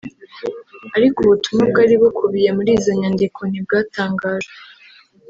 ariko ubutumwa bwari bukubiye muri izi nyandiko ntibwatangajwe